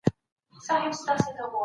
موږ په کمپيوټر کي معلومات شريکوو.